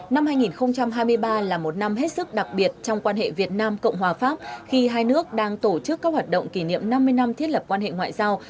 năm hai nghìn hai mươi ba là một năm hết sức đặc biệt trong quan hệ việt nam cộng hòa pháp khi hai nước đang tổ chức các hoạt động kỷ niệm năm mươi năm thiết lập quan hệ ngoại giao